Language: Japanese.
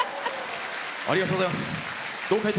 ありがとうございます。